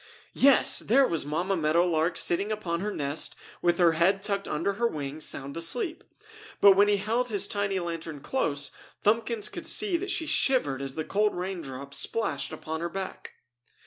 Yes! There was Mamma Meadow Lark sitting upon her nest with her head tucked under her wing, sound asleep. But when he held his tiny lantern close, Thumbkins could see that she shivered as the cold raindrops splashed upon her back.